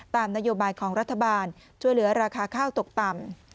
ตามนโยบายของรัฐบาลช่วยเหลือราคาข้าวตกต่ำ